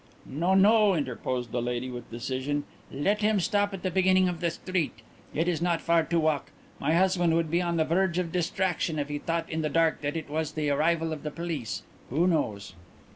"No, no," interposed the lady, with decision, "let him stop at the beginning of the street. It is not far to walk. My husband would be on the verge of distraction if he thought in the dark that it was the arrival of the police; who knows?"